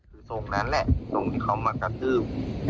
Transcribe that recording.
คือทรงนั้นแหละทรงที่เค้ามากัดดื้ม